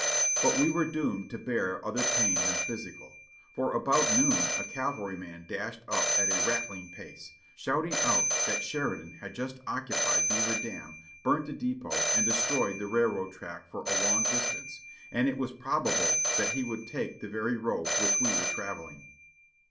But we were doomed to bear other pain than physical, for about noon a cavalryman dashed up at a rattling pace, shouting out that Sheridan had just occupied Beaver Dam, burnt the depot and destroyed the railroad track for a long distance, and it was probable that he would take the very road which we were travel ing